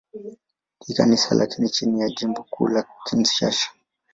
Kikanisa liko chini ya Jimbo Kuu la Kinshasa.